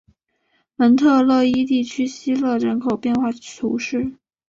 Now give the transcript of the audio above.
蒙特勒伊地区希勒人口变化图示